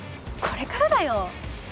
これからだよ